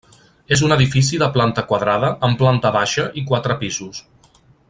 És un edifici de planta quadrada amb planta baixa i quatre pisos.